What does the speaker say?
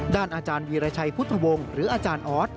อาจารย์วีรชัยพุทธวงศ์หรืออาจารย์ออส